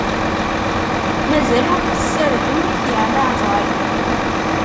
Mazal ur t-ssarden, mi t-yeɛna ɛezṛayen.